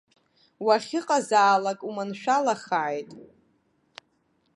Уахьыҟазаалак уманшәалахааит!